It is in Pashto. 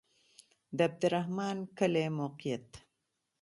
د عبدالرحمن کلی موقعیت